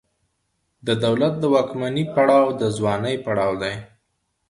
د دولت د واکمني پړاو د ځوانۍ پړاو دی.